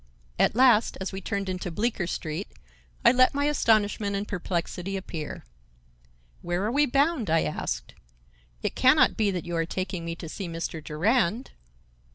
At last, as we turned into Bleecker Street, I let my astonishment and perplexity appear. "Where are we bound?" I asked. "It can not be that you are taking me to see Mr. Durand?"